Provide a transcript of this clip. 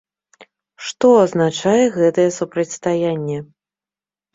Што азначае гэта супрацьстаянне?